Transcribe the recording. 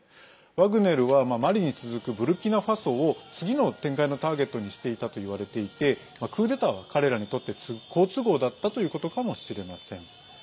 ワグネルはマリに続くブルキナファソを次の展開のターゲットにしていたといわれていてクーデターは彼らにとって好都合だったということかもしれません。